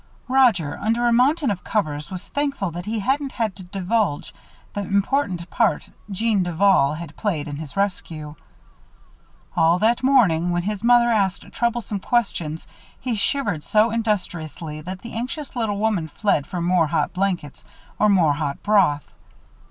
Roger, under a mountain of covers, was thankful that he hadn't had to divulge the important part Jeanne Duval had played in his rescue. All that morning, when his mother asked troublesome questions, he shivered so industriously that the anxious little woman fled for more hot blankets or more hot broth.